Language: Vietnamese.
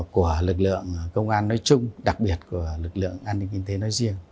của lực lượng công an nói chung đặc biệt của lực lượng an ninh kinh tế nói riêng